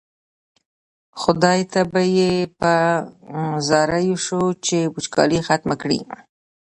خدای ته به یې په زاریو شو چې وچکالي ختمه کړي.